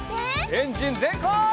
エンジンぜんかい！